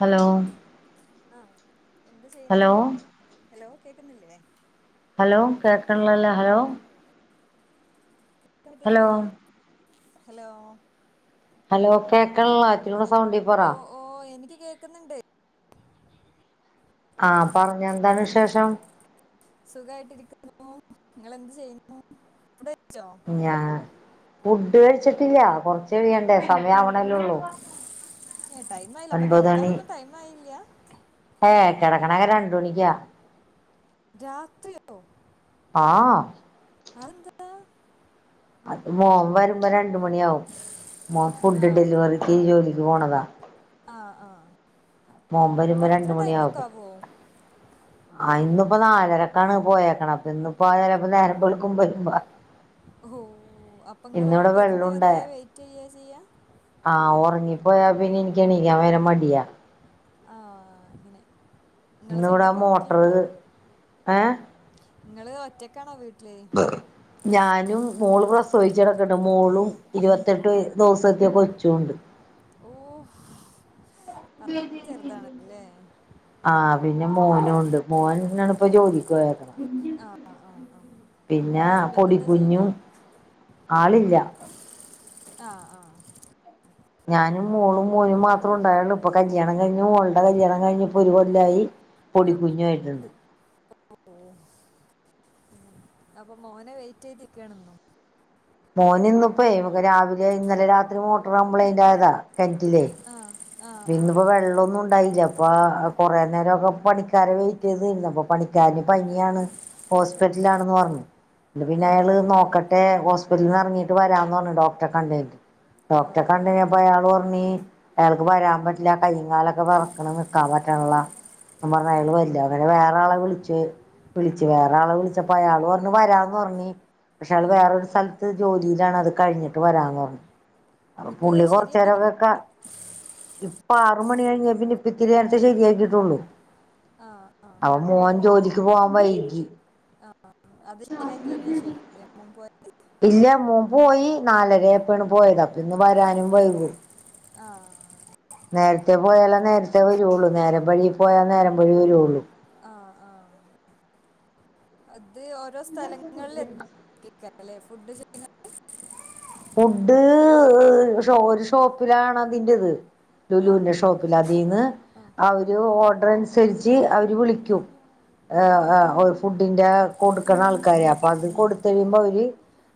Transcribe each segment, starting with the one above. Hello എന്ത് ചെയ്യുന്നെ hello hello കേൾക്കുന്നില്ലേ ഹലോ കേക്കണ്ണില്ലാലോ ഹലോ ഇത്രയ്ക്കു ഇത് ഹലോ ഇല്ലാ ഹലോ ഹലോ കേക്കാണില്ല ഇച്ചിരുടെ സൗണ്ടി പറ കേൾക്കുന്നുണ്ട് ആഹ് പറഞ്ഞോ എന്താണ് വിശേഷം സുഖായിട്ടിരിക്കുന്നു നിങ്ങളെന്ത് ചെയ്യുന്നു ഫുഡ് കഴിച്ചോ ഞാ ഫുഡ് കഴിച്ചിട്ടില്ല കൊറച്ച് കയ്യണ്ടേ സമയം ആവ്ണല്ലേള്ളൂ ഏ ടൈം ആയില്ല അപ്പൊ ഒൻപത് മണി കിടക്കാനൊന്നും ടൈം ആയില്ല ഏ കെടക്കന്നെ രണ്ട മണിക്കാ രാത്രിയോ ആഹ് അന്താ അത് മോൻ വരുമ്പോ രണ്ട് മണിയാവും മോൻ ഫുഡ്‌ ആഹ് ഡെലിവറി ജോലി പോണതാ ആ ആ മോൻ വരുമ്പോ രണ്ട് മണിയാവും ആവോ ആയിന്ന ഇപ്പൊ നാലരക്കാണ് പോയേക്കണെ അപ്പൊ ഇന്ന് പ്പ ആ ചെലപ്പൊ നേരം വെളുക്കുമ്പ വരു ഓ അപ്പൊങ്ങള് ഓൻ വെള്ളമുണ്ട് വരുന്നവരെ വെറ്റ് ചെയ്യാ ചെയ്യ ഞ്ഞി പോയാ പിന്നെ ഇൻക്ക് എണിക്കാൻ വരെ മടിയാ ആഹ് ങ്ങനെ ഇന്ന് ഇവിട മോട്ടർ ഏ നിങ്ങള് ഒറ്റക്കാണോ വീട്ടി ഞാനും മോള് പ്ലസ്ടു [unintelligible] മോളും ഇരുപത്തെട്ട് ആഹ് ദിവസത്തിയ കൊച്ചുണ്ട് ഓഹ് അത്രയും ചെറുതാണല്ലേ ആഹ് പിന്നെ മോനുംണ്ട് മോൻ ഓനാണിപ്പോ ജോലിക്ക് പോയേക്ക്ണേ ആ ആ ആ ആ. പിന്നെ നിങ്ങളെ ഹസ്ബൻഡ് എന്താ ചെയ്യണേ പൊടികുഞ്ഞും ആളില്ല ആഹ് ആഹ് ഞാനും മോളും മോനും മാത്രം ഉണ്ടായോള്ളു ഇപ്പൊ കല്യാണം കഴിഞ്ഞു മോളുടെ കല്യാണം കഴിഞ്ഞ് പ്പൊരു കൊല്ലായി ആ പൊടിക്കുഞ്ഞു ആരുന്നുണ്ട് ഓ അപ്പൊ മോനെ വെയിറ്റ് ചെയ്തിക്കണെന്നു മോന് ഇന്ന് ഇപ്പോ രാവിലെ ഇന്നലെ രാത്രി മോട്ടർ കംപ്ലൈന്റ് ആയ കെണറ്റിലെ ആ ആ ആ ഇന്ന് ഇപ്പോ വെള്ളോന്നും ഇണ്ടായില്ല അപ്പൊ കുറെേ നേരോക്കെ പണിക്കാരെ വെയിറ്റ് ചെയ്ത് നിന്നു അപ്പൊ പണിക്കാരന് പനിയാണ് ഹോസ്പിറ്റലാണെന്ന് പറഞ്ഞു പിന്നെ ആ ആ അയാള് നോക്കട്ടെ ഹോസ് വിടുന്ന ഇറങ്ങിട്ട് വരാമന്ന് പറഞ്ഞ് ഡോക്റെ കണ്ടിട്ട് ആ ഡോക്ടറെ കണ്ടഞ്ഞപ്പോ അയാൾ പറഞ്ഞ അയാൾ വരാൻ പറ്റില്ല കൈ കാലൊക്കെ വേറക്കണ് നിക്കാൻ പറ്റാനിള്ള പറഞ്ഞ ആ ഉം. വരില്ല അങ്ങനെ വേറെ ആളെ വിളിച്ച് വിളിച്ച് വെ വേറെ ആളെ വിളിച്ചപ്പോ അയാൾ പറഞ്ഞ വരാന്ന് പറഞ്ഞ പക്ഷെ അയാൾ ആ വേറൊരു സ്ഥലത്ത് ജോലി ലാണ് അത് കഴിഞ്ഞിട്ട് വരാന്ന് പറഞ്ഞു അപ്പൊ എന്നിട്ട് പുള്ളി കൊറച്ച് നേരൊക്കെ ശരിയാക്കിട്ട് ക്കാ ഇപ്പ ആറു മണി കഴിഞ്ഞ പിന്നെപ്പിത്തിരിനേരായിട്ട ശെരിയാക്കിട്ടുള്ളു ആ ആ അപ്പ മൂവൻ ജോലിക്ക് പോവാ വൈകി ആഹ് ആഹ് അത് ശരിയാക്കിയതിന ശേഷേ [unintelligible] ഇല്ല മൂൻ പോയി നാലരയപ്പാണ് പോയതാപ്പ ഇന്ന് വരാനും വൈകും ആഹ് നേരത്തെ പോയാല നേരത്തെ വരുള്ളു നേരം വൈകി പോയാൽ നേരം വൈകി വരുള്ളു ആഹ് ആഹ് അത് ഓരോ സ്‌ സ്ഥലങ്ങളിൽ എ [unintelligible] കേരള ഫുഡ് [unintelligible] ഫുഡ് ഒരു ഷോപ്പിലാണ് അതിന്റെത് ആ ലുലുലെ ഷോപ്പിൽ അതിന്ന് ആ ഒരു ഹോ അതനുസരിച്ച് അവര് ആ വിളിക്കും ആ ഏഹ് ഫുഡിന്റെ കൊടുക്കണ ആൾക്കാര് അത് കൊടുത്ത് ആ കഴിയുമ്പോ അവര്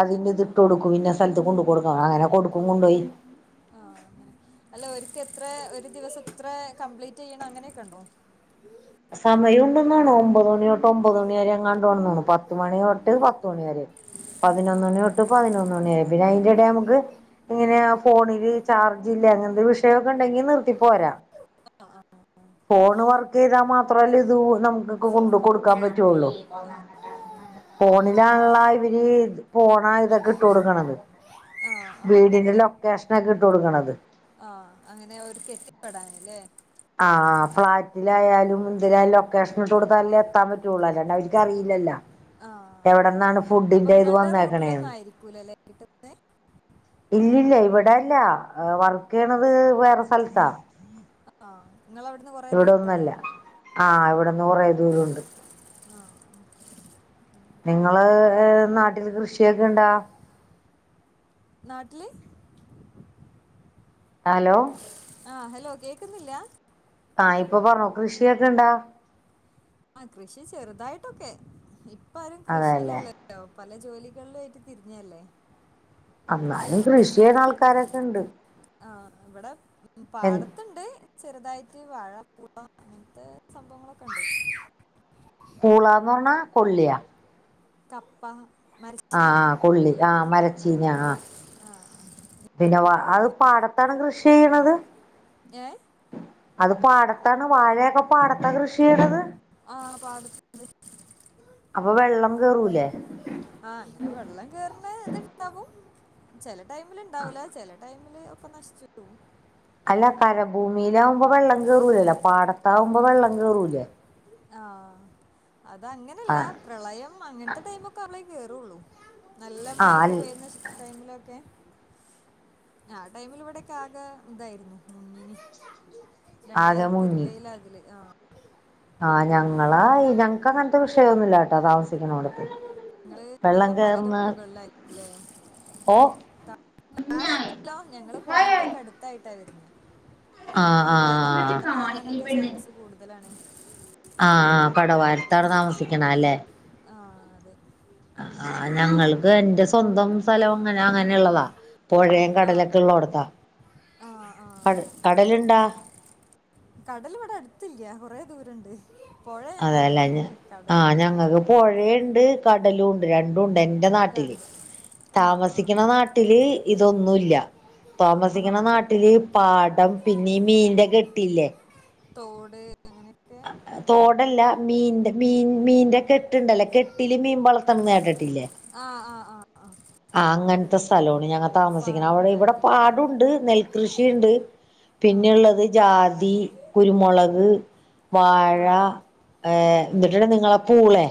അതിന്റെ ആ ഇതിട്ട് കൊടുക്കും പിന്നെ സ്ഥലത്ത് കൊണ്ടു കൊടുക്ക അങ്ങനെ കൊടുക്കും കൊണ്ടോയി ആ അങ്ങനെ അല്ല ഓല്ക്ക് എത്ര ഒരു ദിവസം ഇത്ര കംപ്ലീറ്റ് ചെയ്യണം അങ്ങനെയൊക്കെ ഉണ്ടോ സമയം ഉണ്ടന്നാണ് ഒമ്പത് മണി തൊട്ട് ഒമ്പത് മണി വരെ എങ്ങാണ്ട് ഉണ്ട് പത്ത മണി തൊട്ട് പത്തുമണി വരെ പതി ആ പതിനൊന്ന് ആ മണി തൊട്ട് പതിനൊന്ന് മണി വരെ പിന്നെ അതിന്റിടെ നമക്ക് ആ ഇങ്ങനെ ഫോണിൽ ചാർജില്ല അങ്ങനത്തെ വിഷയൊക്കെ ഉണ്ടെങ്കിൽ നിർത്തി പോരാ ഫോണ് വർക്ക് ചെയ്ത മാത്രവല്ലെ ഇത് നമുക്ക് കൊണ്ട് ആ കൊടുക്കാൻ അതെ അതെ പറ്റുള്ളു ആ ഫോണിലാണല്ല ഇവര് പോണ ഇതൊക്കെ ഇട്ട് കൊടുക്കണത് ആ ആ വീടിന്റെ ലൊക്കേഷനൊക്കെ ഇട്ട് കൊടുക്കണത് ആ അങ്ങനെ ഒരു കെട്ടി പെടാനല്ലേ ആഹ് ഫ്ളാറ്റിലായാലും എന്തിലായാലും ലൊക്കേഷൻ ഇട്ട് കൊടുത്തലല്ലെ എത്താൻ പറ്റുള്ളൂ അല്ലാണ്ട് അവർക്കറിയില്ലല്ലോ ആ അതെ അതെ എവിടന്നാണ് അപ്പൊ ഫുഡിന്റെ ഇത് നിങ്ങളുടെ റൂട്ടിലൊന്നും വന്നേക്കണേന്ന് ആയിരിക്കൂലല്ലേ കിട്ടുന്നത് ഇല്ലല്ല ഇവിടെല്ല വർക്ക് ചെയ്യണത് വേറെ സ്ഥലത്താ ആ നിങ്ങൾ അവിടുന്ന് കുറേ ദൂരമുണ്ടോ ഇവിടെന്നല്ല ആഹ് ഇവിടെന്ന് കൊറെേ ദൂരംുണ്ട് ആ ഉം. നിങ്ങള് നാട്ടില് കൃഷിയൊക്കെ ഇണ്ടാ നാട്ടില് ഹലോ ആഹ് ഹലോ കേക്കുന്നില്ലാ ആഹ ഇപ്പൊ പറഞ്ഞോ കൃഷിയൊക്കെ ഇണ്ടോ ആ കൃഷി ചെറുതായിട്ടൊക്കെ ഇപ്പാരും അതല്ലേ കൃഷിയിലല്ലോ പല ജോലികളിലും ആയിട്ട് തിരിഞ്ഞയല്ലേ തരക്കുണ്ട് ആ ഇവിടെ പാടത്തുണ്ട് ചെറുതായി ട്ട്ത്തിരി വാഴ പുഴ അങ്ങനത്തെ സംഭവങ്ങളൊക്കെ ഉണ്ട് പൂളാന്ന് പറഞ്ഞാ കൊല്ലിയ കപ്പ മരച്ചീനി ആഹാ ആ കൊള്ളി ആഹാ മരച്ചീനി ആ ആ പിന്നെ വ പൂള അത് പാടത്താണ് കൃഷി ചെയ്യണത് ഏഹ് അത് പാടത്താണ് വാഴയൊക്കെ പാടത്താ കൃഷി ചെയ്യണത് ആഹ് പാട അപ്പൊ വെള്ളം കേറൂലേ ആഹ് അങ്ങനെ വെള്ളം കേറുന്ന ഇത്ണ്ടാവും ചെല ടൈമിൽണ്ടാവില്ലേ ചേല ടൈം ഇവിടെയൊക്കെ നശിച്ചെന്ന് തോന്നുന്നു- അല്ലകരഭൂമി- ഇതാവുമ്പം വെള്ളം കേറൂലല്ലോ പാടം- ഇതാവുമ്പോ വെള്ളം കേറൂലേ? ആഹ് - ആ അതങ്ങനല്ല പ്രളയം അങ്ങനത്തെ ടൈംമൊക്കെ അവളെ- കേറുള്ളൂ- നല്ല ആ മയയൊക്കെ അൽ പെയ്യുന്ന ടൈമിലൊക്കെ- ആ ടൈമിൽ ഇവിടെക്കെ ആകെ ഇതായിരുന്നു - ആകെ രണ്ടായിരത്തി ഇരുപതിലാ അതില് ആഹ്- ആഹ് ഞങ്ങളാ ഞങ്ങക്ക് അങ്ങനത്തെ വിഷയൊന്നുമില്ലാട്ടോ താമസിക്കുന്ന അവിടത്തെ ഞങ്ങള് നല്ല മലരു മുകളിലല്ലേ ഓ കുഞ്ഞാവേ താഴെല്ലല്ലോ ഞങ്ങള് പോയന്റെ വായാവേ ഒക്കെ അടുത്തായിട്ടായിരുന്നേ ആഹ് അപ്പൊ വേഗം എന്നിട്ട് വെള്ളം ആഹ് കാണിക്കണി കയറാനൊക്കെ പെണ്ണ് ചാൻസ് കൂടുതലാണ് ആഹ് ആ് കടവാരത്താടെ താമസിക്കണ അല്ലേ ആ അതെ ആ ഞങ്ങൾക്ക് എന്റെ സ്വന്തം സ്വന്തം സ്ഥലം അങ്ങനെ അങ്ങനെള്ളതാ പുഴേയും ആ കടലൊക്കെ ഉള്ളോട്ത്ത ആ ആ കട കടലുണ്ടാ ദൂരണ്ട് അതല്ല ഞ ആഹ ഞങ്ങൾക്ക് പുഴയുണ്ട് കടലും ഉണ്ട് രണ്ടുണ്ട് എന്റെ നാട്ടില് രണ്ട് ആ ആ താമസിക്കണ നാട്ടില് ഇതൊന്നുല്ല ആ ആ. താമസിക്കണ നാട്ടില് പാടം പിന്നെ മീന്റെ കെട്ടില്ലേ തോട് അങ്ങനെ തോടല്ല മീ മീൻ മീന്റെ കെട്ട്ണ്ടല്ലേ കെട്ടില് മീൻ വളർത്തണം കേട്ടിട്ടില്ലേ ആഹ ആഹ് ആഹ് ആഹ് ആ അങ്ങനത്തെ സ്ഥലമാണ് ഞങ്ങ താമസിക്ക അവിടെ ഫാമൊക്കെ ഇവിടെ ആയിട്ടില്ലല്ലേ പാടുണ്ട് നെൽകൃഷിയുണ്ട് ആ പിന്നെള്ളത് ജാതി കുരുമുളക് വാഴ ആ ഏഹ എന്നിട്ടുണ്ട് നിങ്ങള പൂളെ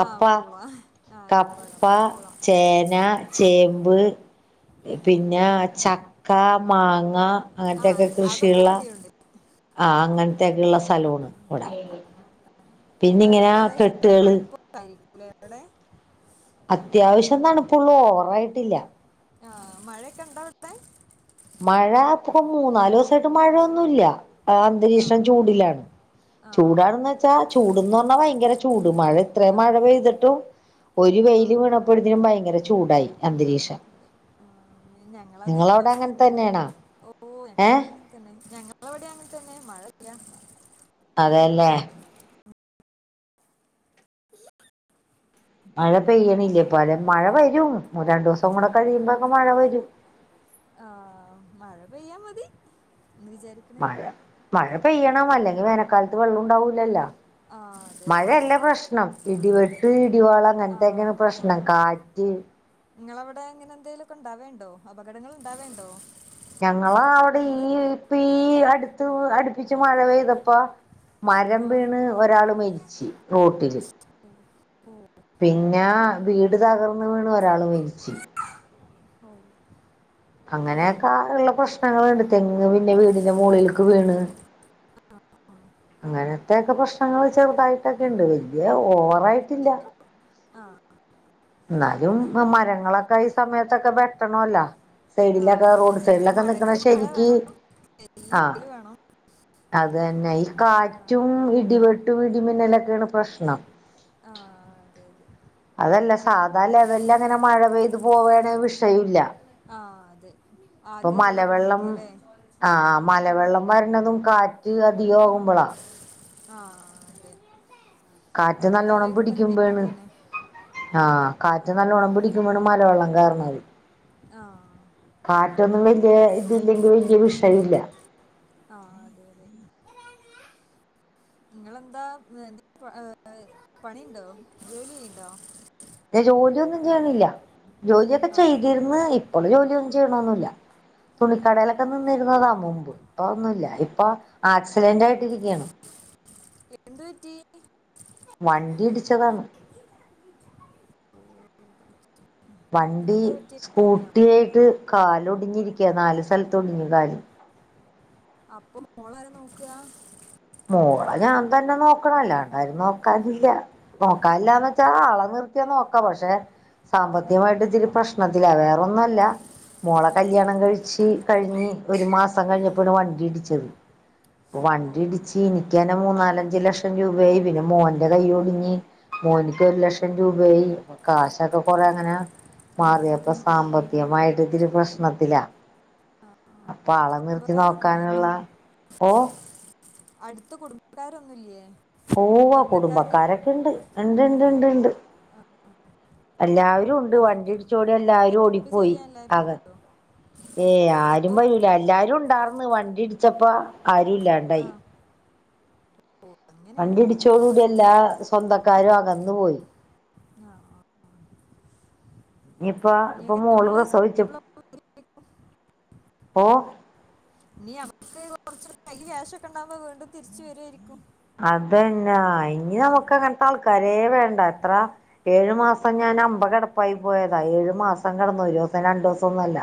ആ പൂള കപ്പ ചേന ചേമ്പ് പിന്നെ ആ ചക്ക മാങ്ങ ങ്ങ ആ അങ്ങനത്തെയൊക്കെ അതൊക്കെ കൃഷിയുള്ള ഇവിടെയുണ്ട് ആ അങ്ങനത്തെയൊക്കെള്ള സ്ഥലണ് ഇവിട പിന്ന ഇങ്ങനെ കെട്ടുകള് ല്ലേ അവടെ അത്യാവശ്യം തണുപ്പള്ളൂ ഓവറയിട്ടില്ല ആ മഴയൊക്കെ ഇണ്ടോ അവിടത്തെ മഴ ഇപ്പൊ മൂന്നാല് ദിവസായിട്ട് മഴ ഒന്നുമല്ല ആ അന്തരീക്ഷം ചൂടിലാണ് ആ ചൂടാണെന്ന് അതെ അതെ വെച്ചാ ചൂട്ന്ന് പറഞ്ഞാൽ ഭയങ്കര ചൂട് മഴ ഇത്രയും ആ മഴ പെയ്തിട്ടും ഒരു ആ വെയില് അതെ വീണപ്പോഴതിനും ഭയങ്കര ചൂടായി അന്തരീക്ഷം അതെ ആ ഞങ്ങളതേ അവസ്ഥ തന്ന തന്നെയണാ ഏ തന്നെ ഞങ്ങളവിടെ അങ്ങനെ തന്നെ മഴ ഇല്ല അതേല്ലേ ഉ [inaudible] മഴ പെയ്യണില്ലേ ഇപ്പ അത മഴ വരും രണ്ടു ദിവസം കൂടെ കഴിയുമ്പോക്കെ മഴ വരും ആ മഴ പെയ്യാ മതി എന്ന് വിചാരിക്കണേ മഴ മഴ പെയ്യണം അല്ലെങ്കിൽ വേനൽക്കാലത്ത് വെള്ളം ഉണ്ടാവൂ ലല്ലോ ആ അതെ അതെ മഴയല്ല പ്രശ്നം ഇടിവെട്ട് ഇവള ആ അങ്ങനത്തെയൊക്കെയാണ് പ്രശ്നം കാറ്റ് നിങ്ങള് അവിടെ ഇങ്ങനെ എന്തെലുലൊക്കെ ഉണ്ടാവേണ്ടോ അപകടങ്ങൾ ഉണ്ടാവേണ്ടോ ഞങ്ങളെ അവിടെ എന്നോട് ഈ ഇപ്പ ഈ അടുത്ത് അടുപ്പിച്ച് മഴ പെയ്തപ്പ മരം ആ വീണ് ഒരാൾ മരിച്ച് റോട്ടില് [unintelligible] പിന്നെ വീട് തകർന്ന് വീണ് ഒരാള് മരിച്ചു ഓ അങ്ങനൊക്കാ ഉള്ള പ്രശ്നങ്ങളുണ്ട് തെങ്ങ് പിന്നെ വീടിന്റെ മുകളിലക്ക് വീണ് അങ്ങനത്തെക്കെ പ്രശ്നങ്ങൾ ചെറുതായിട്ടൊക്കെയുണ്ട് വല്യ ഓവറായിട്ടില്ല ആ എന്നാലും മരങ്ങളൊക്കെ ഈ സമയത്തൊക്കെ വെട്ടണോല്ല ആ സൈഡിലൊക്കെ അതെ റോഡ് അതെ സൈഡിൽ ഒക്കെ നിക്കണ മഴക്ക് മഴ ശെരിക്ക് വേണം വെയിലിന് ആ വെയിൽ വേണം അത് തന്നെ ഈ ആ കാറ്റും ഇടിവെട്ടും ഇടിമിന്നലൊ യാണ് പ്രശ്നം ആ അതെ അതെ അതല്ല സാധാ ലെവലിൽ അങ്ങനെ മഴ പെയ്ത് പോവാണ് വിഷയയില്ല ആ അതെ ഇപ്പൊ ആദ്യമുള്ള മലവെള്ളം പോണൊക്കെ അല്ലേ ആ മലവെള്ളം വരണതും കാറ്റ് അധികമാകുമ്പോളാ ആ അതെ കാറ്റ് അതൊക്കെ നല്ലോണ്ണം ആലോചിക്കുമ്പോ ഒരു പിടിക്കുമ്പോഴാണ് പേടിയാണ് ആ കാറ്റ് നല്ലവോണം പിടിക്കുമ്പോഴാണ് മലവെള്ളം കേറുന്നത് ആ [unintelligible] കാറ്റൊന്നുമി എ ഇതില്ലെങ്കിൽ വലൃ വിഷയമില്ല ആ അതെ അതെ നിങ്ങെളെന്താ എന്താ പണിയുണ്ടോ ജോലി ചെയ്യണ്ടോ ജോലിയൊന്നും ചെയ്യണില്ല ജോലിയൊക്കെ ആ ചെയ്തിരുന്ന് ഇപ്പോള് ജോലിയൊന്നും ആ ചെയ്യണൊന്നുമില്ല ആ തുണിക്കടയിലൊക്കെ നിന്നിരുന്നതാ മുമ്പ് ഇപ്പം ഒന്നുമില്ല ഇപ്പം ആക്സിഡന്റ് ആയിട്ടിരിക്കയാണ് എന്ത് പറ്റി വണ്ടി ഇടിച്ചതാണ് വണ്ടി ഇവരെന്താ പറ്റിയ കാലിനോ സ്കൂട്ടി ആയിട്ട് കാലൊടിഞ്ഞിരിക്കാ നാല് സ്ഥലത്ത് ഒടിഞ്ഞ് [unintelligible] അപ്പം മോളെ ആരാ നോക്കുക മോളെ ഞാൻ തന്നെ നോക്കണൊല്ലാ ആര് നോക്കാഞ് നോക്കാനില്ലാന്ന് വെച്ചാ ആളെ നിർ ത്തി നോക്കാം പക്ഷേ സാമ്പത്തികമായിട്ട് ഇത്തിരി പ്രശ്നത്തിലാ വേറെ ഒന്നുല്ല മോള ആ കല്യാണം കഴിച്ചു കഴിഞ്ഞ് ഒരു മാസം കഴിഞ്ഞപ്പോണ് വണ്ടി ഇടിച്ചത് ഓ വണ്ടിടി അങ്ങനെ മൂന്നാലഞ്ച ലക്ഷം രൂപയായി പിന്നെ മോന്റെ കൈ ഒടുഞ്ഞ് മോന് ഒരു ലക്ഷം രൂപായി കാശൊക്കെ കൊറെ അങ്ങനെ മാറിയ പ്പൊ ആ ആ സാമ്പത്തികമായിട്ട് ഇത്തിരി പ്രശ്നത്തിലാ ആ ആ അടുത്ത പാളം നിർത്തി നോക്കാനുള്ള കുടുംബക്കാരൊന്നുമില്ല ഓ അടുത്ത കുടുംബക്കാരൊന്നുംല്ലേ പോവാ കുടുംബക്കാരൊക്കണ്ട് ഇണ്ട് ഇണ്ട് ഇണ്ട് ഇണ്ട് ആ, എല്ലാവാരും ഉണ്ട് അവരൊക്കെ വണ്ടിടിച്ചോടെ എല്ലാരും ഹെൽപ്പ് ഓടിപ്പോയി ചെയ്യാൻ എല്ലാരും ആക വരുമോ ഏ ആരും ഓ വരൂല എല്ലാരും ഉണ്ടാർ ന്ന് വണ്ടി ഇടിച്ചപ്പ ആ ആരുല്ലാണ്ടായി ഓ അങ്ങനെ വണ്ടിടിച്ചോടൂടി എല്ലാ സ്വന്തക്കാരും അകന്നു പോയി ആ ആ യിപ്പൊ ഇപ്പൊ ഇനിയൊക്കെ മോള് നമ്മള് പ്രസവിച്ചു സ്റ്റേബിൾ ആയിരിക്കും. ഓ നി നമ്മക്ക് കൊർച്ച് കയ്യി ക്യാഷൊക്കെ ഉണ്ടാവ്മ്പോ വീണ്ടും തിരിച്ച് വരായിരി അതന്നാ ഇനി ആ, നമ്മക്ക് അങ്ങനത്തെ ആൾ കരയേ വേണ്ട എത്ര ഏഴു മാസ പ്പ ആ, ഞാൻ അമ്പകടപ്പായി പോയതാ ഏഴു മാസം കടന്നോയി ഒന്നോ രണ്ടൊസം ഒന്നൊല്ല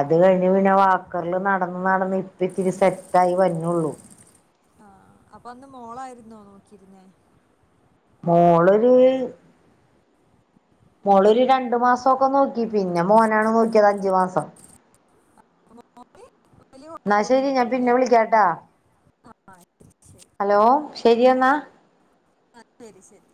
അത് ആ, കഴിഞ്ഞ് ആ, പിന്നെ വാക്കറിൽ നടന്ന് നടന്ന് ഇപ്പൊത്തിരി സെറ്റായി വര്നുള്ളൂ ആ അപ്പന്ന് മോളായിരുന്നോ നോക്കിയിരുന്നേ മോള് [unintelligible] മോളൊരു രണ്ടു മാസംക്കെ നോക്കി പിന്നെ മോനാണ് നോക്കിയത് അഞ്ചു മാസം മോ മോ ളി ന്നാ ശരി ഞാൻ പിന്നെ വിളിക്കാട്ടാ ആ ശരി ഹലോ ശരിയെന്നാ ആ ശരി ശരി